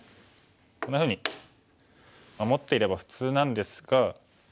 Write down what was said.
こんなふうに守っていれば普通なんですが。